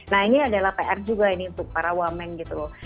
nah ini adalah pr juga ini untuk para wamen gitu loh